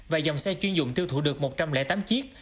và dòng xe chuyên dụng tiêu thụ được một trăm linh tám chiếc